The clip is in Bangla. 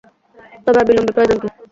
তবে আর বিলম্বে প্রয়ােজন কি?